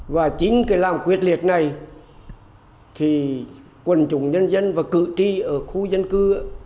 và chính cái làm quyết liệt này thì quân chủ nhân dân và cự tri ở khu dân cư